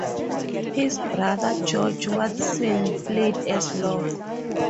His brother George Watson played as Lock.